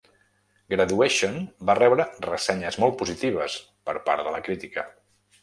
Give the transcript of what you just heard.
"Graduation" va rebre ressenyes molt positives per part de la crítica.